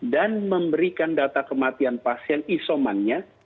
dan memberikan data kematian pasien isomannya